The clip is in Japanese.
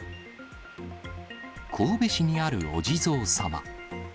神戸市にあるお地蔵様。